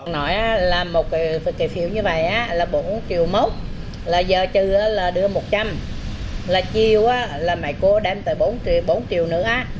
nói là một cái phiếu như vậy là bốn triệu mốc là giờ trừ là đưa một trăm linh là chiêu là mẹ cô đem tới bốn triệu nữa